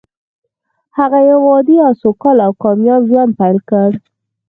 هغه يو عادي او سوکاله او کامياب ژوند پيل کړ.